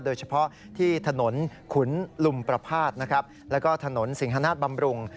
โดยเฉพาะที่ถนนขุนลุมประพาทและถนนสิงธนาฏบำรุง